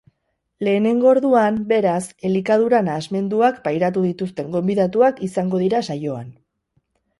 Lehengo orduan, beraz, elikadura nahasmenduak pairatu dituzten gonbidatuak izango dira saioan.